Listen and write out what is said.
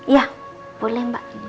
ya boleh mbak